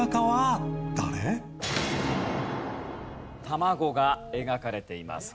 卵が描かれています。